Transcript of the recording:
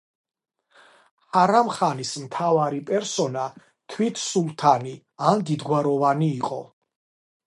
ჰარამხანის მთავარი პერსონა თვით სულთანი ან დიდგვაროვანი იყო.